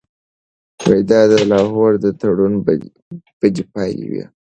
دا د لاهور د تړون بدې پایلې وې.